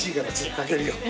かけるよ。